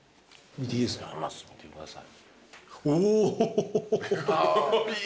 見てください。